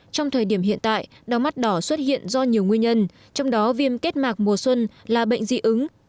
trong thời điểm hiện tại đau mắt đỏ xuất hiện do nhiều nguyên nhân trong đó viêm kết mạc mùa xuân là bệnh dị ứng